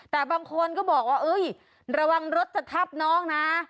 แต่บางคนก็บอกว่าระวังรถจะทับน้องนะ